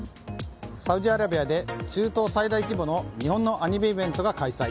サウジアラビアで中東最大規模の日本のアニメイベントが開催。